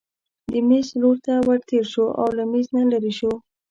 د مېز لور ته ورتېر شو او له مېز نه لیرې شو.